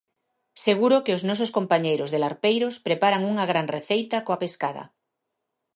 Seguro que os nosos compañeiros de Larpeiros preparan unha gran receita coa pescada.